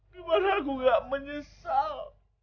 gimana aku gak menyesal